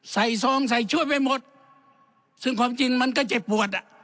ซองใส่ช่วยไปหมดซึ่งความจริงมันก็เจ็บปวดอ่ะ